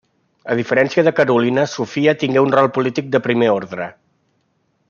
A diferència de Carolina, Sofia tingué un rol polític de primer ordre.